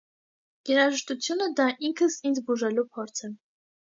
Երաժշտությունը դա ինքս ինձ բուժելու փորձ է։